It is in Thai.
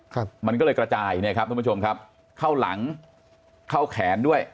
ครับมันก็เลยกระจายเนี่ยครับทุกผู้ชมครับเข้าหลังเข้าแขนด้วย